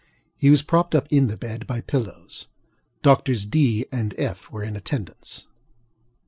He was propped up in the bed by pillows. Doctors DŌĆöŌĆö and FŌĆöŌĆö were in attendance.